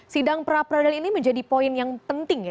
sidang pra peradilan ini menjadi poin yang penting ya